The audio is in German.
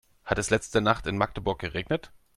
Hat es letzte Nacht in Magdeburg geregnet?